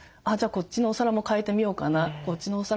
こっちのお皿も替えてみようかな。